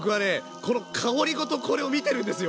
この香りごとこれを見てるんですよ！